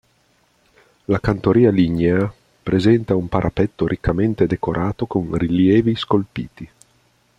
La cantoria lignea presenta un parapetto riccamente decorato con rilievi scolpiti.